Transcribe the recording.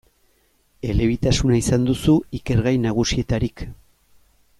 Elebitasuna izan duzu ikergai nagusietarik.